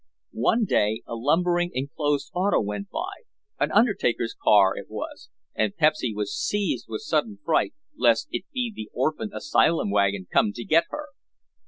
One day a lumbering, enclosed auto went by, an undertaker's car it was, and Pepsy was seized with sudden fright lest it be the orphan asylum wagon come to get her.